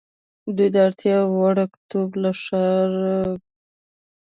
دوی د اړتیا وړ توکي له ښاري کسبګرو پیرل.